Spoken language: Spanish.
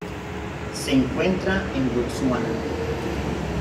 Se encuentra en Botsuana.